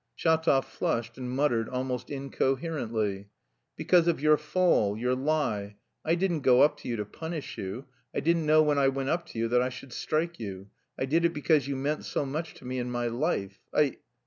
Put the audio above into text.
Shatov flushed and muttered almost incoherently: "Because of your fall... your lie. I didn't go up to you to punish you... I didn't know when I went up to you that I should strike you... I did it because you meant so much to me in my life... I..."